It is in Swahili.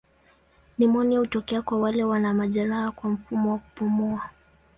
Nimonia hutokea kwa wale wana majeraha kwa mfumo wa kupumua.